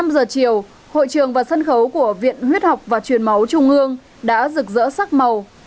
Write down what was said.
năm giờ chiều hội trường và sân khấu của viện huyết học và truyền máu trung ương đã rực rỡ sắc màu